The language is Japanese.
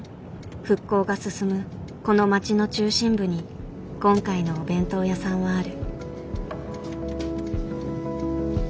復興が進むこの町の中心部に今回のお弁当屋さんはある。